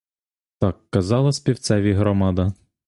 Так казала співцеві громада.